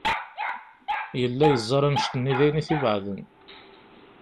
Yella yeẓẓar annect-nni d ayen i t-ibeɛden.